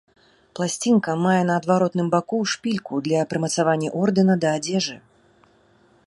Пласцінка мае на адваротным баку шпільку для прымацавання ордэна да адзежы.